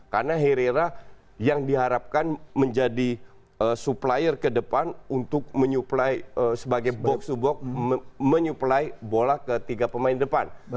karena herrera yang diharapkan menjadi supplier ke depan untuk menyuplai sebagai box to box menyuplai bola ke tiga pemain depan